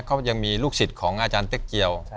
เขายังมีลูกศิษย์ของอาจารย์เต๊กเกียว